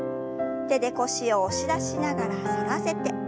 手で腰を押し出しながら反らせて。